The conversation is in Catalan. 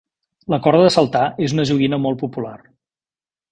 La corda de saltar és una joguina molt popular.